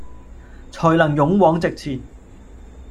才能勇往直前